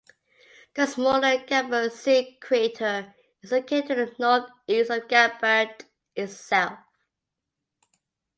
The smaller Gambart C crater is located to the northeast of Gambart itself.